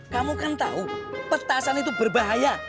kamu kan tahu petasan itu berbahaya